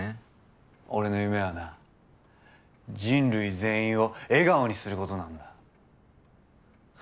俺の夢はな人類全員を笑顔にする事なんだ。